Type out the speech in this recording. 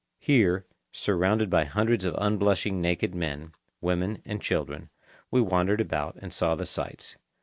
Here, surrounded by hundreds of unblushing naked men, women, and children, we wandered about and saw the sights.